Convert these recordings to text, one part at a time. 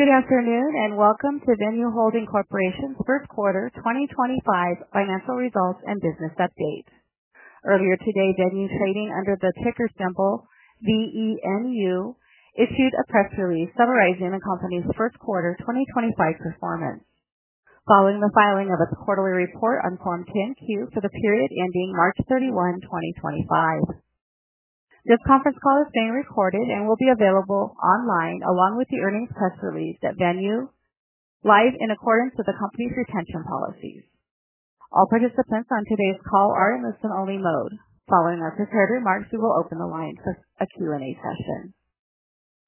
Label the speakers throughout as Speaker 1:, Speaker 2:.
Speaker 1: Good afternoon and welcome to Venu Holding Corporation first quarter 2025 financial results and business update. Earlier today, Venue, trading under the ticker symbol VENU, issued a press release summarizing the company's first quarter 2025 performance, following the filing of its quarterly report on Form 10-Q for the period ending March 31, 2025. This conference call is being recorded and will be available online along with the earnings press release at Venue, live in accordance with the company's retention policies. All participants on today's call are in listen-only mode. Following our prepared remarks, we will open the line for a Q&A session.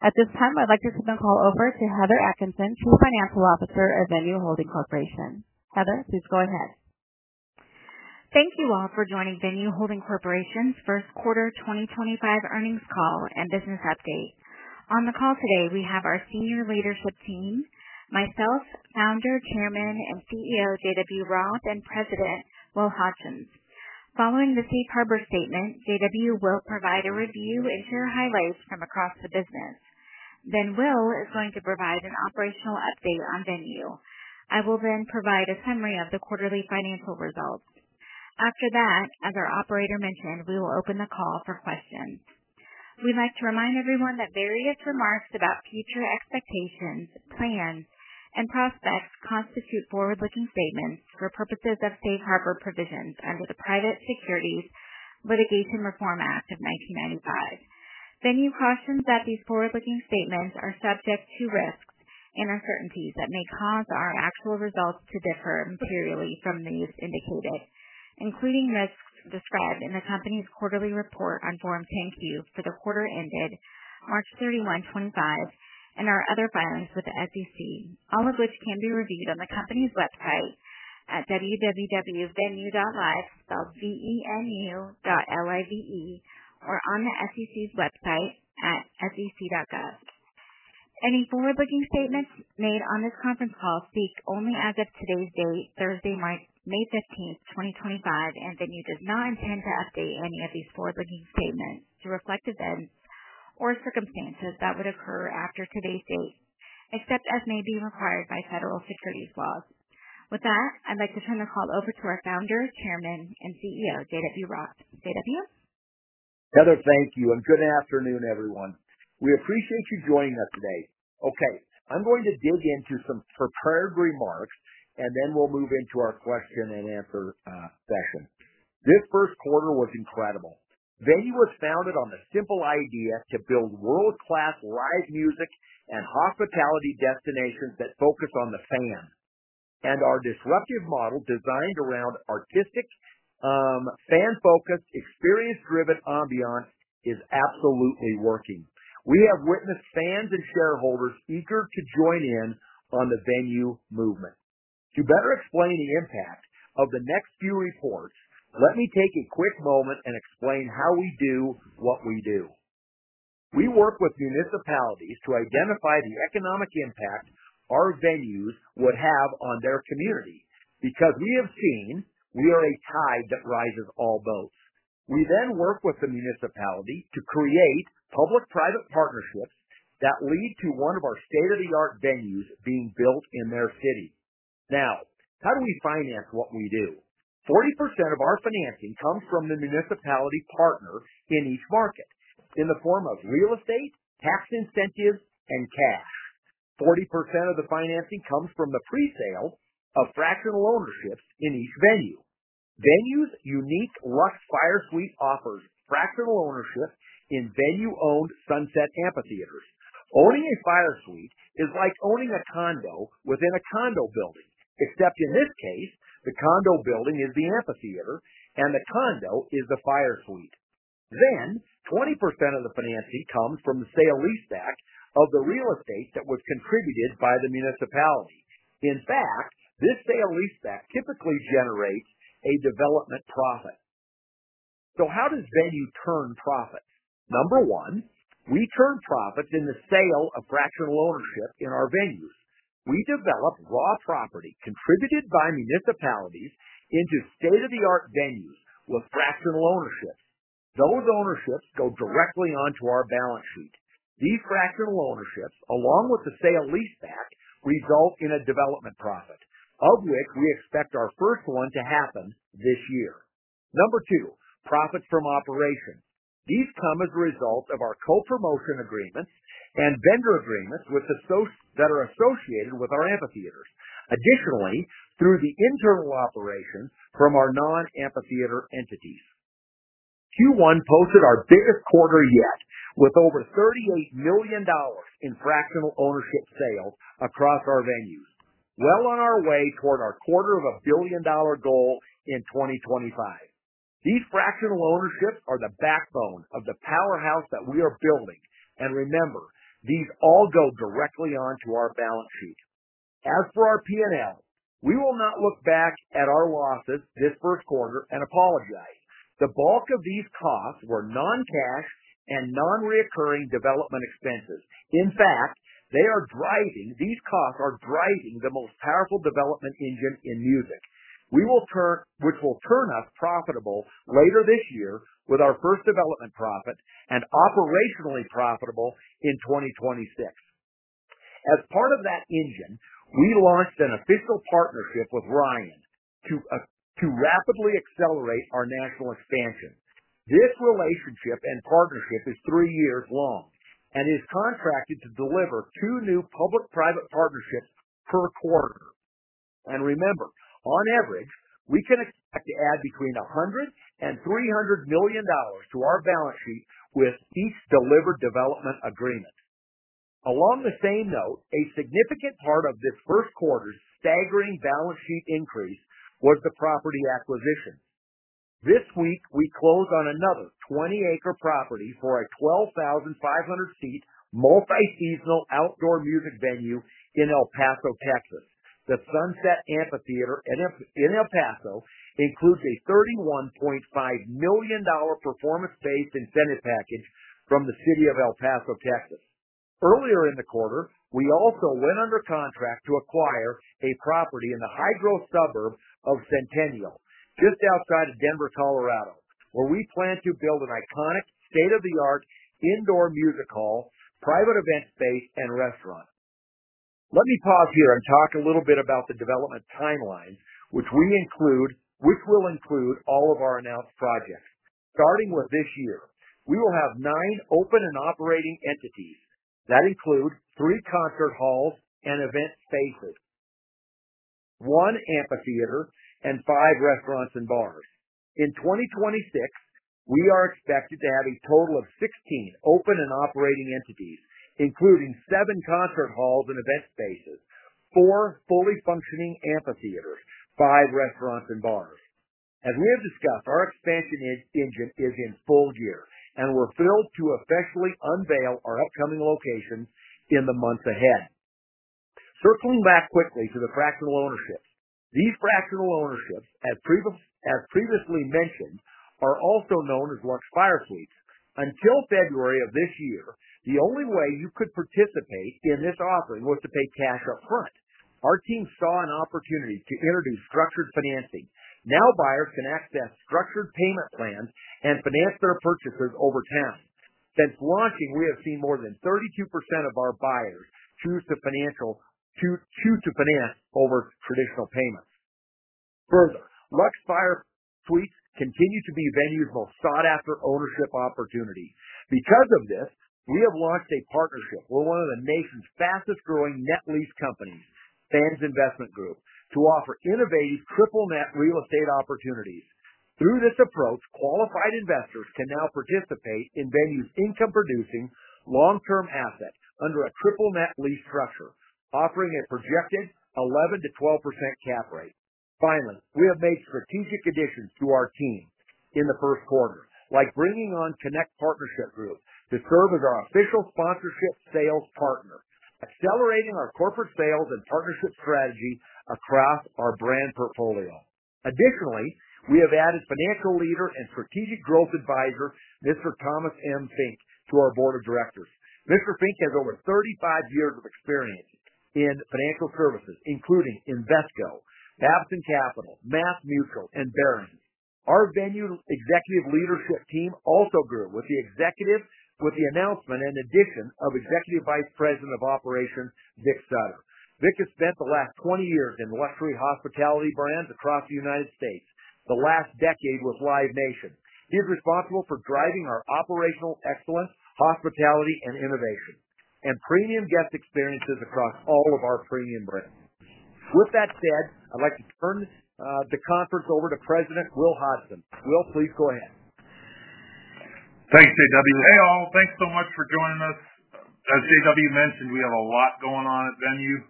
Speaker 1: At this time, I'd like to turn the call over to Heather Atkinson, Chief Financial Officer at Venue Holding Corporation. Heather, please go ahead.
Speaker 2: Thank you all for joining Venu Holding Corporation first quarter 2025 earnings call and business update. On the call today, we have our senior leadership team, myself, Founder, Chairman, and CEO JW Roth, and President Will Hodgson. Following the Safe Harbor statement, JW will provide a review and share highlights from across the business. Will is going to provide an operational update on Venue. I will then provide a summary of the quarterly financial results. After that, as our operator mentioned, we will open the call for questions. We'd like to remind everyone that various remarks about future expectations, plans, and prospects constitute forward-looking statements for purposes of Safe Harbor provisions under the Private Securities Litigation Reform Act of 1995. Venue cautions that these forward-looking statements are subject to risks and uncertainties that may cause our actual results to differ materially from those indicated, including risks described in the company's quarterly report on Form 10-Q for the quarter ended March 31, 2025, and our other filings with the SEC, all of which can be reviewed on the company's website at www.venue.live, spelled VENU.LIVE, or on the SEC's website at sec.gov. Any forward-looking statements made on this conference call speak only as of today's date, Thursday, May 15, 2025, and Venue does not intend to update any of these forward-looking statements to reflect events or circumstances that would occur after today's date, except as may be required by federal securities laws. With that, I'd like to turn the call over to our Founder, Chairman, and CEO, JW Roth. JW?
Speaker 3: Heather, thank you. Good afternoon, everyone. We appreciate you joining us today. Okay, I'm going to dig into some prepared remarks, and then we'll move into our question-and-answer session. This first quarter was incredible. Venue was founded on the simple idea to build world-class live music and hospitality destinations that focus on the fan, and our disruptive model designed around artistic, fan-focused, experience-driven ambiance is absolutely working. We have witnessed fans and shareholders eager to join in on the venue movement. To better explain the impact of the next few reports, let me take a quick moment and explain how we do what we do. We work with municipalities to identify the economic impact our venues would have on their community because we have seen we are a tide that rises all boats. We then work with the municipality to create public-private partnerships that lead to one of our state-of-the-art venues being built in their city. Now, how do we finance what we do? 40% of our financing comes from the municipality partner in each market in the form of real estate, tax incentives, and cash. 40% of the financing comes from the pre-sale of fractional ownerships in each venue. Venue's unique Luxe Fire Suite offers fractional ownership in venue-owned Sunset Amphitheaters. Owning a fire suite is like owning a condo within a condo building, except in this case, the condo building is the amphitheater and the condo is the fire suite. 20% of the financing comes from the sale lease back of the real estate that was contributed by the municipality. In fact, this sale lease back typically generates a development profit. How does Venue turn profits? Number one, we turn profits in the sale of fractional ownership in our venues. We develop raw property contributed by municipalities into state-of-the-art venues with fractional ownerships. Those ownerships go directly onto our balance sheet. These fractional ownerships, along with the sale lease back, result in a development profit, of which we expect our first one to happen this year. Number two, profits from operations. These come as a result of our co-promotion agreements and vendor agreements that are associated with our amphitheaters. Additionally, through the internal operations from our non-amphitheater entities. Q1 posted our biggest quarter yet, with over $38 million in fractional ownership sales across our venues, well on our way toward our quarter of a billion dollar goal in 2025. These fractional ownerships are the backbone of the powerhouse that we are building. Remember, these all go directly onto our balance sheet. As for our P&L, we will not look back at our losses this first quarter and apologize. The bulk of these costs were non-cash and non-recurring development expenses. In fact, these costs are driving the most powerful development engine in music, which will turn us profitable later this year with our first development profit and operationally profitable in 2026. As part of that engine, we launched an official partnership with Ryan to rapidly accelerate our national expansion. This relationship and partnership is three years long and is contracted to deliver two new public-private partnerships per quarter. Remember, on average, we can expect to add between $100 million and $300 million to our balance sheet with each delivered development agreement. Along the same note, a significant part of this first quarter's staggering balance sheet increase was the property acquisitions. This week, we closed on another 20-acre property for a 12,500-seat multi-seasonal outdoor music venue in El Paso, Texas. The Sunset Amphitheater in El Paso includes a $31.5 million performance-based incentive package from the city of El Paso, Texas. Earlier in the quarter, we also went under contract to acquire a property in the high-growth suburb of Centennial, just outside of Denver, Colorado, where we plan to build an iconic state-of-the-art indoor music hall, private event space, and restaurant. Let me pause here and talk a little bit about the development timelines, which will include all of our announced projects. Starting with this year, we will have nine open and operating entities. That includes three concert halls and event spaces, one amphitheater, and five restaurants and bars. In 2026, we are expected to have a total of 16 open and operating entities, including seven concert halls and event spaces, four fully functioning amphitheaters, five restaurants, and bars. As we have discussed, our expansion engine is in full gear, and we're thrilled to officially unveil our upcoming locations in the months ahead. Circling back quickly to the fractional ownerships. These fractional ownerships, as previously mentioned, are also known as Luxe Fire Suites. Until February of this year, the only way you could participate in this offering was to pay cash upfront. Our team saw an opportunity to introduce structured financing. Now buyers can access structured payment plans and finance their purchases over time. Since launching, we have seen more than 32% of our buyers choose to finance over traditional payments. Further, Luxe Fire Suites continue to be Venue's most sought-after ownership opportunity. Because of this, we have launched a partnership with one of the nation's fastest-growing net lease companies, Sands Investment Group, to offer innovative triple-net real estate opportunities. Through this approach, qualified investors can now participate in Venue's income-producing long-term asset under a triple-net lease structure, offering a projected 11%-12% cap rate. Finally, we have made strategic additions to our team in the first quarter, like bringing on Connect Partnership Group to serve as our official sponsorship sales partner, accelerating our corporate sales and partnership strategy across our brand portfolio. Additionally, we have added financial leader and strategic growth advisor, Mr. Thomas M. Fink, to our board of directors. Mr. Fink has over 35 years of experience in financial services, including Invesco, Babson Capital, MassMutual, and Barron's. Our Venue executive leadership team also grew with the announcement and addition of Executive Vice President of Operations, Vic Sutter. Vic has spent the last 20 years in luxury hospitality brands across the United States. The last decade with Live Nation. He is responsible for driving our operational excellence, hospitality, and innovation, and premium guest experiences across all of our premium brands. With that said, I would like to turn the conference over to President Will Hodgson. Will, please go ahead.
Speaker 4: Thanks, JW. Hey all, thanks so much for joining us. As JW mentioned, we have a lot going on at Venue.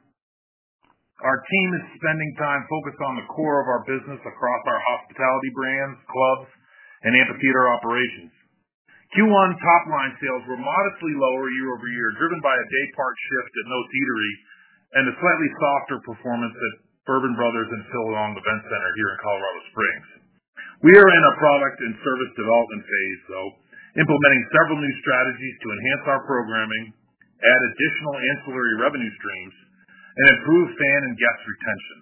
Speaker 4: Our team is spending time focused on the core of our business across our hospitality brands, clubs, and amphitheater operations. Q1 top-line sales were modestly lower year-over-year, driven by a day-park shift at No Teetery and a slightly softer performance at Bourbon Brothers and Phil Long Event Center here in Colorado Springs. We are in a product and service development phase, though, implementing several new strategies to enhance our programming, add additional ancillary revenue streams, and improve fan and guest retention.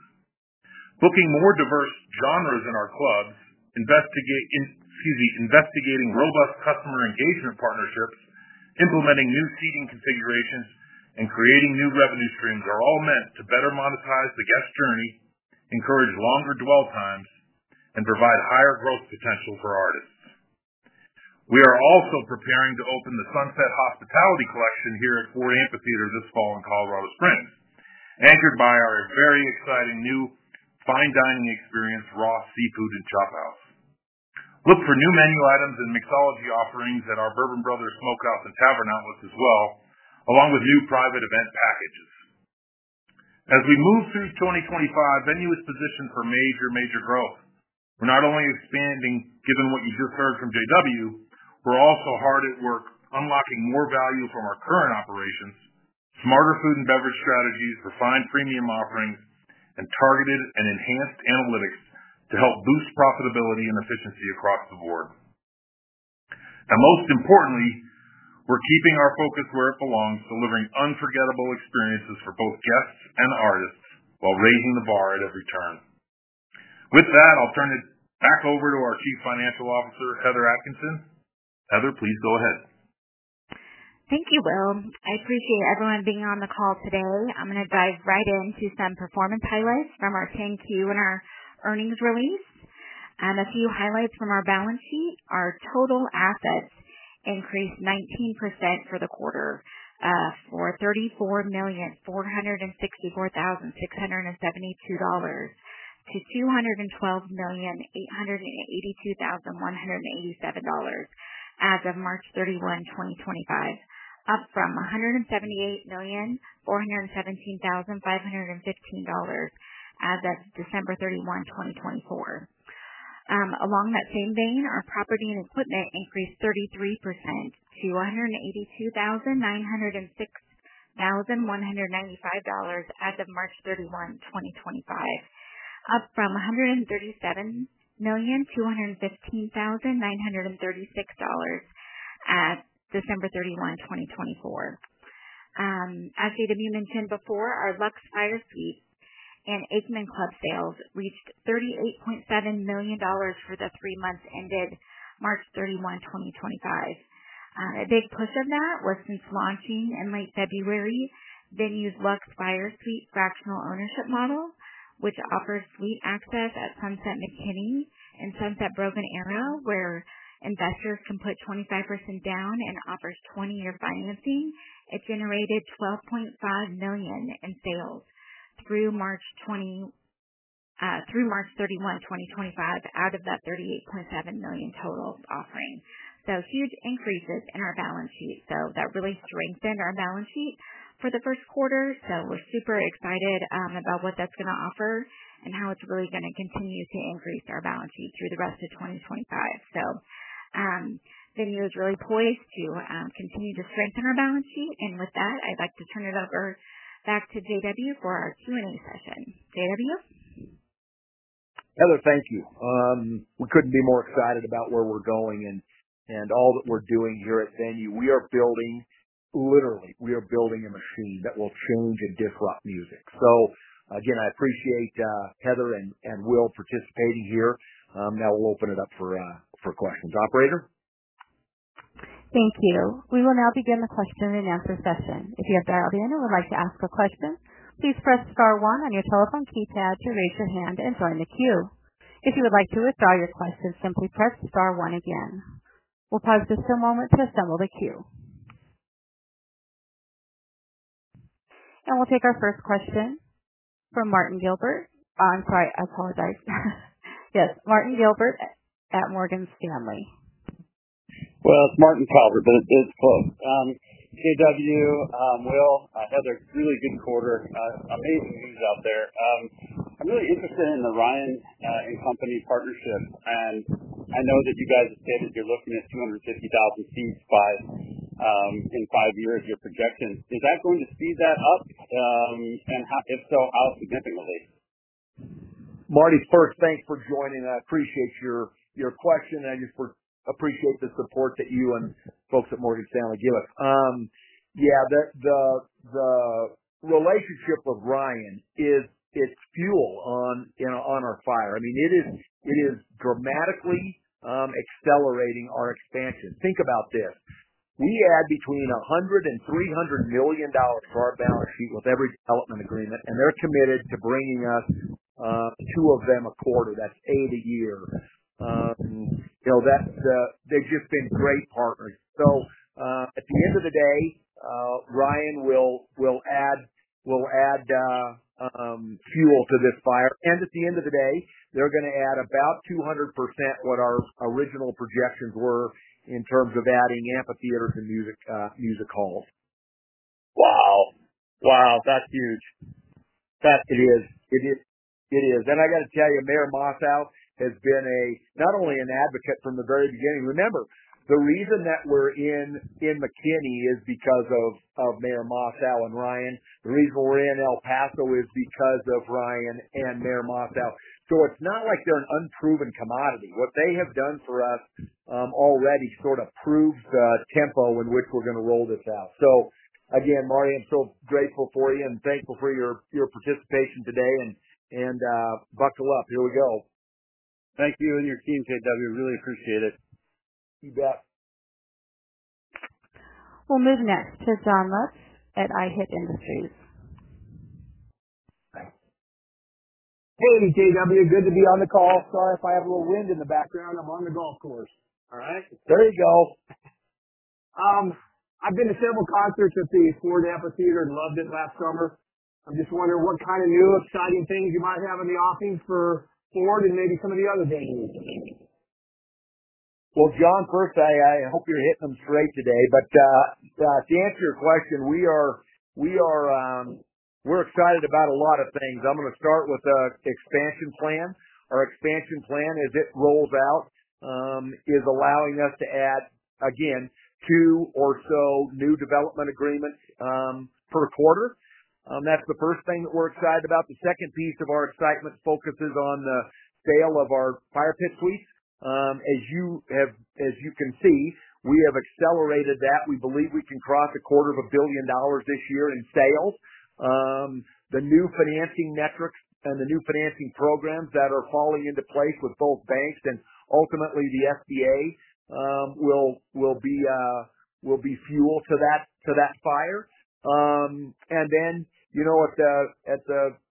Speaker 4: Booking more diverse genres in our clubs, investigating robust customer engagement partnerships, implementing new seating configurations, and creating new revenue streams are all meant to better monetize the guest journey, encourage longer dwell times, and provide higher growth potential for artists. We are also preparing to open the Sunset Hospitality Collection here at Ford Amphitheater this fall in Colorado Springs, anchored by our very exciting new fine dining experience, Ross Seafood and Chophouse. Look for new menu items and mixology offerings at our Bourbon Brothers Smokehouse and Tavern outlets as well, along with new private event packages. As we move through 2025, Venue is positioned for major, major growth. We are not only expanding, given what you just heard from JW, we are also hard at work unlocking more value from our current operations, smarter food and beverage strategies, refined premium offerings, and targeted and enhanced analytics to help boost profitability and efficiency across the board. Most importantly, we are keeping our focus where it belongs, delivering unforgettable experiences for both guests and artists while raising the bar at every turn. With that, I'll turn it back over to our Chief Financial Officer, Heather Atkinson. Heather, please go ahead.
Speaker 2: Thank you, Will. I appreciate everyone being on the call today. I'm going to dive right into some performance highlights from our 10-Q and our earnings release. A few highlights from our balance sheet. Our total assets increased 19% for the quarter from $178,417,515 to $212,882,187 as of March 31, 2025, up from $178,417,515 as of December 31, 2024. Along that same vein, our property and equipment increased 33% to $182,906,195 as of March 31, 2025, up from $137,215,936 at December 31, 2024. As JW mentioned before, our Luxe Fire Suite and Aikman Club sales reached $38.7 million for the three months ended March 31, 2025. A big push of that was since launching in late February, Venue's Luxe Fire Suite fractional ownership model, which offers suite access at Sunset McKinney and Sunset Broken Arrow, where investors can put 25% down and offers 20-year financing. It generated $12.5 million in sales through March 31, 2025, out of that $38.7 million total offering. Huge increases in our balance sheet. That really strengthened our balance sheet for the first quarter. We are super excited about what that is going to offer and how it is really going to continue to increase our balance sheet through the rest of 2025. Venue is really poised to continue to strengthen our balance sheet. With that, I would like to turn it over back to JW for our Q&A session. JW?
Speaker 3: Heather, thank you. We couldn't be more excited about where we're going and all that we're doing here at Venue. Literally, we are building a machine that will change and disrupt music. Again, I appreciate Heather and Will participating here. Now we'll open it up for questions. Operator?
Speaker 1: Thank you. We will now begin the question and answer session. If you have dialed in and would like to ask a question, please press star one on your telephone keypad to raise your hand and join the queue. If you would like to withdraw your question, simply press star one again. We'll pause just a moment to assemble the queue. We'll take our first question from Martin Calvert. I'm sorry, I apologize. Yes, Martin Calvert at Morgan Stanley.
Speaker 5: It's Martin Calvert, but it's close. JW, Will, Heather, really good quarter. Amazing news out there. I'm really interested in the Ryan Companies partnership. I know that you guys have stated you're looking at 250,000 seats in five years, your projection. Is that going to speed that up? If so, how significantly?
Speaker 3: Marty first, thanks for joining. I appreciate your question. I just appreciate the support that you and folks at Morgan Stanley give us. Yeah, the relationship with Ryan is fuel on our fire. I mean, it is dramatically accelerating our expansion. Think about this. We add between $100 million and $300 million to our balance sheet with every development agreement, and they're committed to bringing us two of them a quarter. That's eight a year. They've just been great partners. At the end of the day, Ryan will add fuel to this fire. At the end of the day, they're going to add about 200% what our original projections were in terms of adding amphitheaters and music halls. Wow. Wow. That's huge. It is. It is. I got to tell you, Mayor Mossow has been not only an advocate from the very beginning. Remember, the reason that we're in McKinney is because of Mayor Mossow and Ryan. The reason we're in El Paso is because of Ryan and Mayor Mossow. It is not like they're an unproven commodity. What they have done for us already sort of proves the tempo in which we're going to roll this out. Again, Marty, I'm so grateful for you and thankful for your participation today. Buckle up. Here we go.
Speaker 5: Thank you and your team, JW. Really appreciate it.
Speaker 3: You bet.
Speaker 1: We'll move next to Jon Lutz at iHit Industries.
Speaker 6: Hey, JW. Good to be on the call. Sorry if I have a little wind in the background. I'm on the golf course.
Speaker 3: All right.
Speaker 6: There you go. I've been to several concerts at the Ford Amphitheater and loved it last summer. I'm just wondering what kind of new exciting things you might have in the offing for Ford and maybe some of the other venues.
Speaker 3: John, first, I hope you're hitting them straight today. To answer your question, we're excited about a lot of things. I'm going to start with our expansion plan. Our expansion plan, as it rolls out, is allowing us to add, again, two or so new development agreements per quarter. That's the first thing that we're excited about. The second piece of our excitement focuses on the sale of our fire pit suites. As you can see, we have accelerated that. We believe we can cross a quarter of a billion dollars this year in sales. The new financing metrics and the new financing programs that are falling into place with both banks and ultimately the FDA will be fuel to that fire.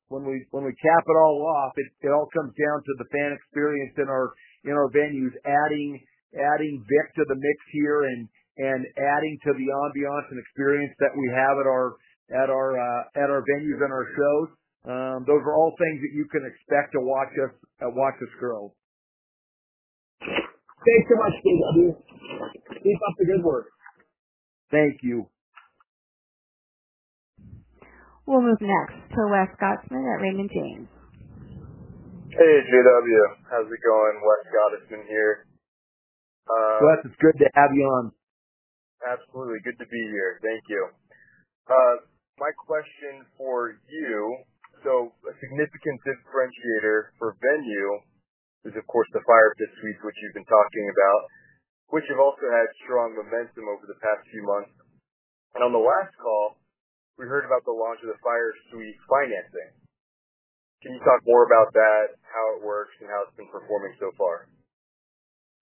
Speaker 3: When we cap it all off, it all comes down to the fan experience in our venues, adding Vic to the mix here and adding to the ambiance and experience that we have at our venues and our shows. Those are all things that you can expect to watch us grow.
Speaker 6: Thanks so much, JW. Keep up the good work.
Speaker 3: Thank you.
Speaker 1: We'll move next to Wes Gottesman at Raymond James.
Speaker 7: Hey, JW. How's it going? Wes Gottesman here.
Speaker 3: Wes, it's good to have you on.
Speaker 7: Absolutely. Good to be here. Thank you. My question for you, a significant differentiator for Venue is, of course, the fire pit suites, which you've been talking about, which have also had strong momentum over the past few months. On the last call, we heard about the launch of the fire suite financing. Can you talk more about that, how it works, and how it's been performing so far?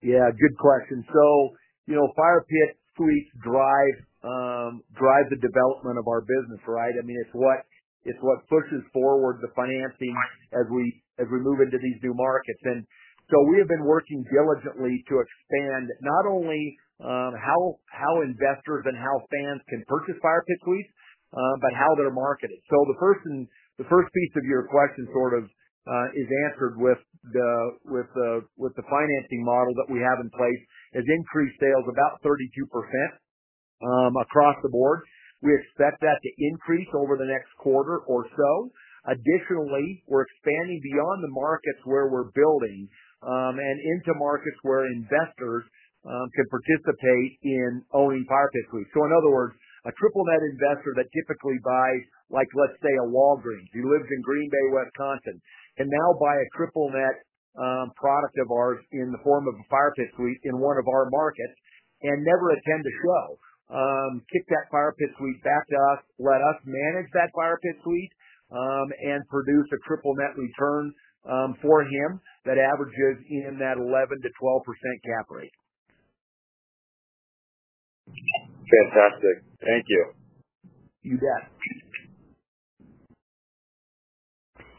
Speaker 3: Yeah, good question. Fire pit suites drive the development of our business, right? I mean, it's what pushes forward the financing as we move into these new markets. We have been working diligently to expand not only how investors and how fans can purchase fire pit suites, but how they're marketed. The first piece of your question sort of is answered with the financing model that we have in place has increased sales about 32% across the board. We expect that to increase over the next quarter or so. Additionally, we're expanding beyond the markets where we're building and into markets where investors can participate in owning fire pit suites. In other words, a triple-net investor that typically buys, let's say, a Walgreens, who lives in Green Bay, Wisconsin, can now buy a triple-net product of ours in the form of a fire pit suite in one of our markets and never attend a show. Kick that fire pit suite back to us, let us manage that fire pit suite, and produce a triple-net return for him that averages in that 11%-12% cap rate.
Speaker 7: Fantastic. Thank you.
Speaker 3: You bet.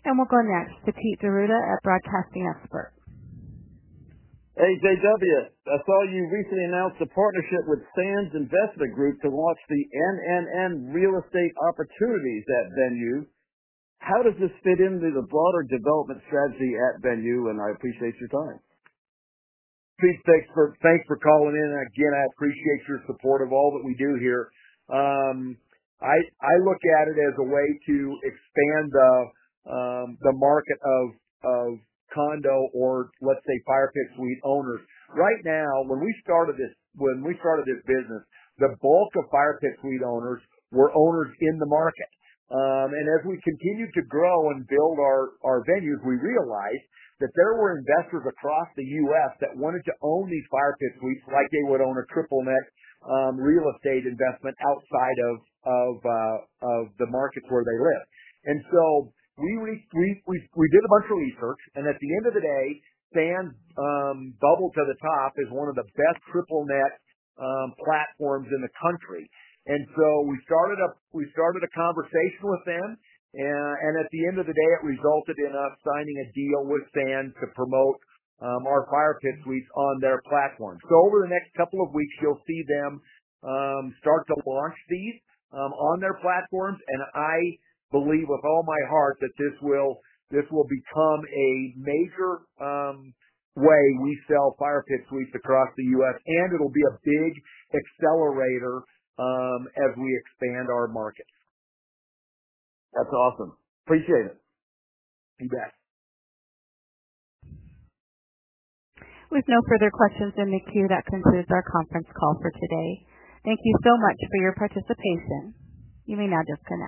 Speaker 1: We will go next, Petit Veruda at Broadcasting Expert.
Speaker 8: Hey, JW. I saw you recently announced a partnership with Sands Investment Group to launch the NNN real estate opportunities at Venue. How does this fit into the broader development strategy at Venue? I appreciate your time.
Speaker 3: Petit Expert, thanks for calling in. Again, I appreciate your support of all that we do here. I look at it as a way to expand the market of condo or, let's say, fire pit suite owners. Right now, when we started this business, the bulk of fire pit suite owners were owners in the market. As we continued to grow and build our venues, we realized that there were investors across the U.S. that wanted to own these fire pit suites like they would own a triple-net real estate investment outside of the markets where they live. We did a bunch of research. At the end of the day, Sands Investment Group is one of the best triple-net platforms in the country. We started a conversation with them. At the end of the day, it resulted in us signing a deal with Sands to promote our fire pit suites on their platform. Over the next couple of weeks, you'll see them start to launch these on their platforms. I believe with all my heart that this will become a major way we sell fire pit suites across the U.S. It'll be a big accelerator as we expand our markets.
Speaker 8: That's awesome. Appreciate it.
Speaker 3: You bet.
Speaker 1: With no further questions in the queue, that concludes our conference call for today. Thank you so much for your participation. You may now disconnect.